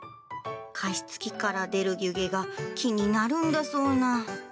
加湿器から出る湯気が気になるんだそうな。